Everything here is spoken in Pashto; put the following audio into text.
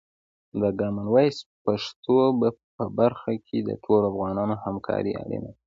د کامن وایس پښتو په برخه کې د ټولو افغانانو همکاري اړینه ده.